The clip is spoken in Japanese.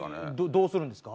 どうするんですか？